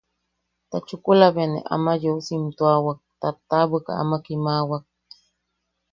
Ta chukula be ne ama ne yeu siimtuawak tataʼabwika ama kiimawak.